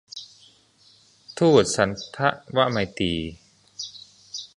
ทูตสันถวไมตรี